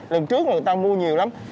lần trước người ta mua nhiều lắm